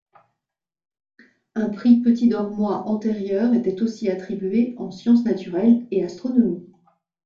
Un prix Petit d'Ormoy antérieur était aussi attribué en sciences naturelles et astronomie.